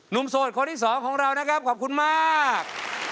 โสดคนที่สองของเรานะครับขอบคุณมาก